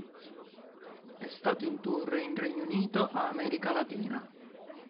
È stato in tour in Regno Unito a America Latina.